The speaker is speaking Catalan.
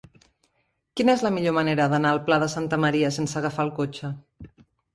Quina és la millor manera d'anar al Pla de Santa Maria sense agafar el cotxe?